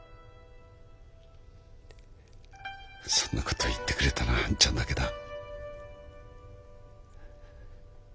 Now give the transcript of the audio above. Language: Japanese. そんな事言ってくれたのは半ちゃんだけだ。